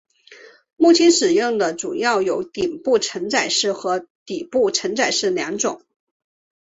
目前使用的主要有顶部承载式和底部承载式两种。